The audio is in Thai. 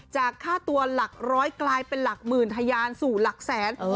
จากค่าตัวหลักร้อยกลายเป็นหลักหมื่นทะยานสู่หลักแสน